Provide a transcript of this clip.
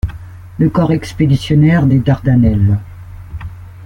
Le corps expéditionnaire des Dardanelles.